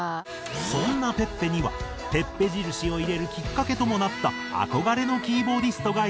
そんなｐｅｐｐｅにはｐｅｐｐｅ印を入れるきっかけともなった憧れのキーボーディストがいるという。